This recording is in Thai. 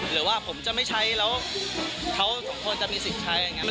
หรือว่าผมจะไม่ใช้แล้วเขาควรจะมีสิทธิ์ใช้อย่างนี้